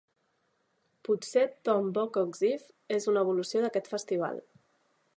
Potser Tom Bawcock's Eve és una evolució d'aquest festival.